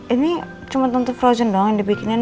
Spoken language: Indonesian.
ini cuma untuk frozen doang yang dibikinin